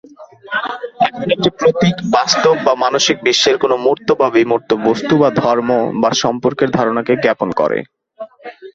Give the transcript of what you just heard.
এখন একটি প্রতীক বাস্তব বা মানসিক বিশ্বের কোনও মূর্ত বা বিমূর্ত বস্তু বা ধর্ম বা সম্পর্কের ধারণাকে জ্ঞাপন করে।